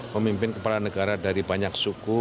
memimpin kepala negara dari banyak suku